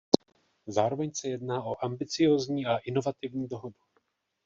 Zároveň se jedná o ambiciózní a inovativní dohodu.